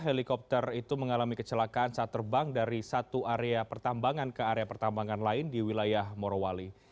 helikopter itu mengalami kecelakaan saat terbang dari satu area pertambangan ke area pertambangan lain di wilayah morowali